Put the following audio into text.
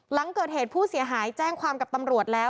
หลังเกิดเหตุผู้เสียหายแจ้งความกับตำรวจแล้ว